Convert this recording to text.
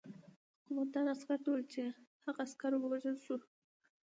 قوماندان عسکر ته وویل چې هغه عسکر وژل شوی